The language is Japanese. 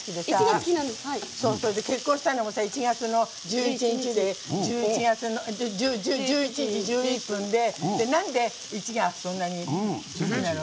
それで、結婚したのも１月の１１で１１時１１分でなんで、１がそんなに好きなの？